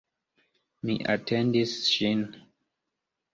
Mi atendis ŝin.